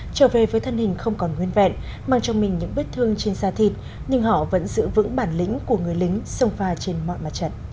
trở về với thân hình không còn nguyên vẹn mang trong mình những bức thương trên xa thịt nhưng họ vẫn giữ vững bản lĩnh của người lính sông pha trên mọi mặt trận